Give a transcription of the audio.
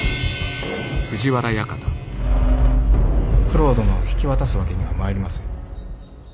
九郎殿を引き渡すわけにはまいりません。